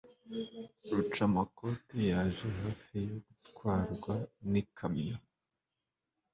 Rucamakoti yaje hafi yo gutwarwa n'ikamyo